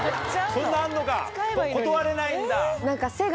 そんなあるのか断れないんだ？